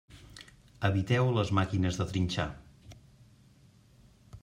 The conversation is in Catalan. Eviteu les màquines de trinxar.